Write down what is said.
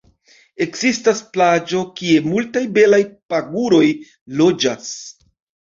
Ekzistas plaĝo kie multaj belaj paguroj loĝas.